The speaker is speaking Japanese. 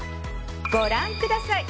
ご覧ください。